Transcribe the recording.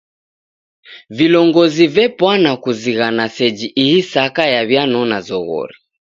Vilongozi vepwana kuzighana seji ihi saka yaw'ianona zoghori.